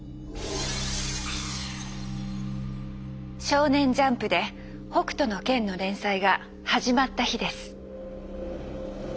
少年ジャンプで「北斗の拳」の連載が始まった日です。